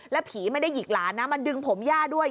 ผีไม่ได้หยิกหลานนะมาดึงผมย่าด้วย